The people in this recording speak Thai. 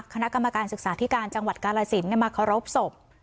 คณะกรรมการศึกษาธิการจังหวัดกาลสินมาเคารพศพ